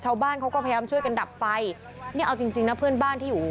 ชาวบ้านเขาก็พยายามช่วยกันดับไฟนี่เอาจริงจริงนะเพื่อนบ้านที่อยู่